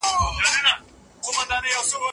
زه اوږده وخت د سبا لپاره د نوټونو ليکل کوم وم.